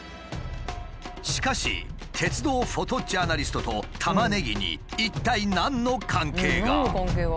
しかし鉄道フォトジャーナリストとタマネギに一体何の関係が。